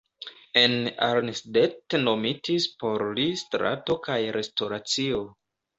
En Arnstadt nomitis por li strato kaj restoracio.